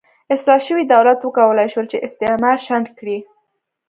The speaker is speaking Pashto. اصلاح شوي دولت وکولای شول چې استعمار شنډ کړي.